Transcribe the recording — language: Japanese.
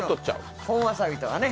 本わさびとはね。